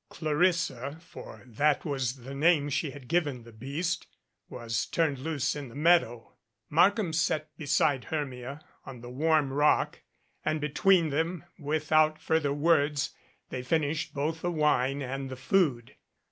Clarissa, for that was the name she had given the beast, was turned loose in the meadow. Markham sat beside Hermia on the warm rock, and, between them, without further words, they finished both the wine and the food.